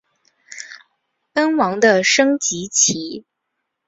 奔王的升级棋。